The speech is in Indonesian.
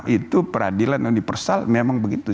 itu peradilan universal memang begitu